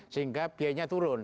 sehingga biayanya turun